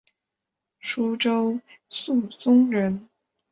舒州宿松人。